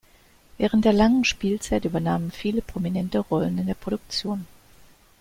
Während der langen Spielzeit übernahmen viele Prominente Rollen in der Produktion.